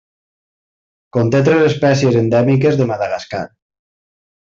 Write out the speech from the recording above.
Conté tres espècies endèmiques de Madagascar.